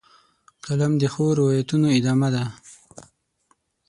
قلم د ښو روایتونو ادامه ده